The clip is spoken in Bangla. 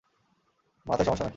মাথায় সমস্যা নাকি?